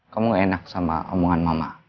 kamu enak sama omongan mama